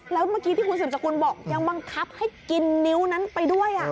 แล้วเมื่อกี้ที่คุณสืบสกุลบอกยังบังคับให้กินนิ้วนั้นไปด้วย